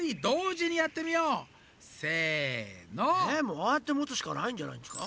ああやって持つしかないんじゃないっちか？